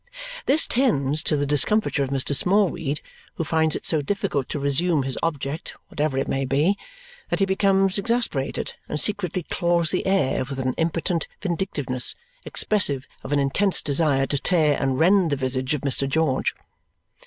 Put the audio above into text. This tends to the discomfiture of Mr. Smallweed, who finds it so difficult to resume his object, whatever it may be, that he becomes exasperated and secretly claws the air with an impotent vindictiveness expressive of an intense desire to tear and rend the visage of Mr. George.